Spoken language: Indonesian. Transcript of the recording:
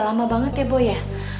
lama banget ya bu ya